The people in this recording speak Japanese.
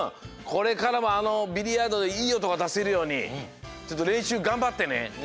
これからもビリヤードでいいおとがだせるようにちょっとれんしゅうがんばってね。